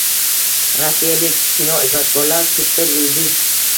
Rossiyalik kinoijodkorlar super yulduz